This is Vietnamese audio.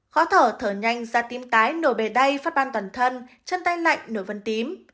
khó thở thở nhanh da tim tái nổi bề đay phát ban toàn thân chân tay lạnh nổi vấn tím